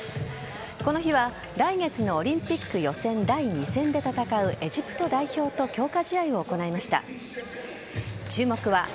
この日は来月のオリンピック予選第２戦で戦うエジプト代表と「ぽかぽか」！